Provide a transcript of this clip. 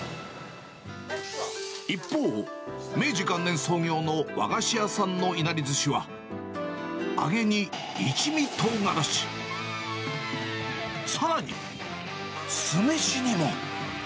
明治元年創業の和菓子屋さんのいなりずしは、揚げに一味とうがらし、さらに、酢飯にも。